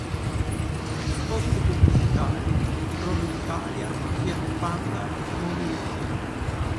Spot Pubblicitari: Rover Italia-Fiat Panda-Mobil Oil.